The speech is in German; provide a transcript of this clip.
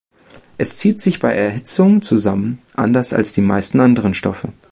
Es zieht sich bei Erhitzung zusammen, anders als die meisten anderen Stoffe.